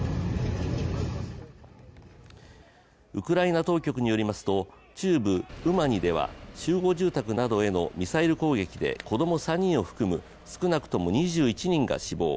ウクライナ当局によりますと中部ウマニでは集合住宅などへのミサイル攻撃で子供３人を含む、少なくとも２１人が死亡。